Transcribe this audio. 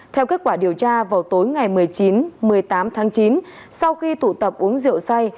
theo kết quả điều tra vào tối ngày một mươi chín một mươi tám tháng chín sau khi tụ tập uống rượu say